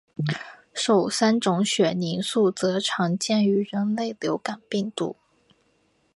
首三种血凝素则常见于人类流感病毒。